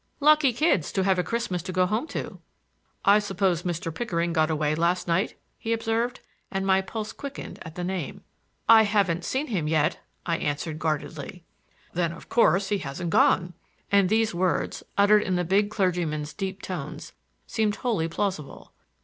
"Lucky kids, to have a Christmas to go home to!" "I suppose Mr. Pickering got away last night?" he observed, and my pulse quickened at the name. "I haven't seen him yet," I answered guardedly. "Then of course he hasn't gone!" and these words, uttered in the big clergyman's deep tones, seemed wholly plausible.